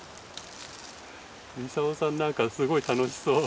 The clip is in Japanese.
ミサオさんなんかすごい楽しそう。